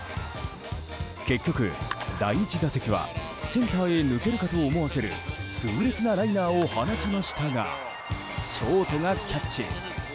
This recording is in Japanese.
結局、第１打席はセンターへ抜けるかと思わせる痛烈なライナーを放ちましたがショートがキャッチ！